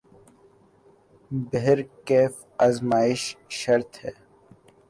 بہرکیف آزمائش شرط ہے ۔